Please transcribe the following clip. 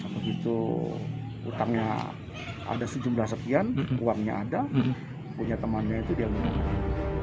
begitu utangnya ada sejumlah sekian uangnya ada punya temannya itu dia lumayan